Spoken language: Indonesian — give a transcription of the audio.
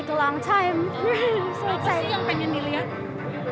kenapa sih yang ingin dilihat